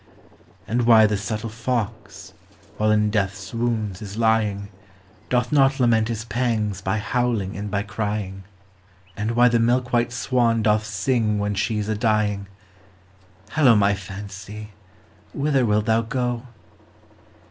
And why the subtle fox, while in death's wounds is lying, Doth not lament his pangs by howling and by crying ; 6 POEMS OF FANCY. And why the milk white swan doth sing when she 's a dving. Hallo, my fancy, whither wilt thou go?